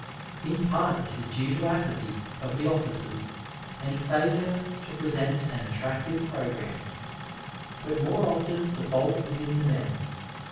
In part this is due to apathy of the officers and failure to present an attractive programme, but more often the fault is in the men.